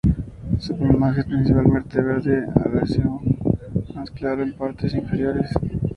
Su plumaje es principalmente verde oliváceo, más claro en las partes inferiores.